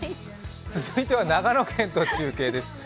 続いては長野県と中継です。